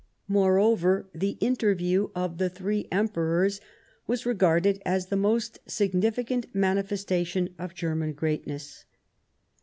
Moreover, the interview of the three Emperors was regarded as the most significant manifestation of German greatness.